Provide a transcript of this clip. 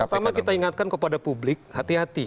pertama kita ingatkan kepada publik hati hati